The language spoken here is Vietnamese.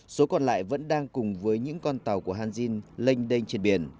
số còn lại vẫn đang cùng với những con tàu của hanzin lênh đênh trên biển